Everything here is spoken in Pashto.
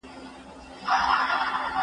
ماشومان د پولیو کراچۍ ته په تمه ولاړ وو.